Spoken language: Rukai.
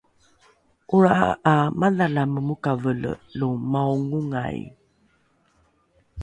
’olra’a ’a madhalame mokavole lo maongongai